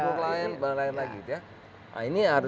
atau bupati lain bupati lain lain lain lagi